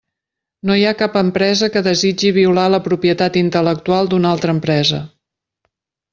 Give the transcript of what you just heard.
No hi ha cap empresa que desitgi violar la propietat intel·lectual d'una altra empresa.